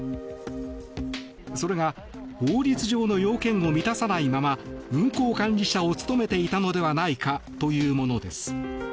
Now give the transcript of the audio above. それが法律上の要件を満たさないまま運航管理者を務めていたのではないかというものです。